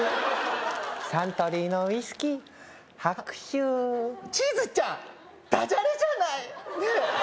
サントリーのウイスキー白州チヅちゃんダジャレじゃないねっ